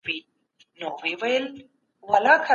عادلانه معاش د هر کارګر حق دی.